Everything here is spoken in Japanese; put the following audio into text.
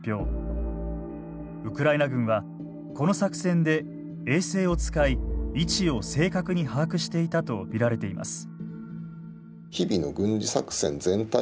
ウクライナ軍はこの作戦で衛星を使い位置を正確に把握していたと見られています。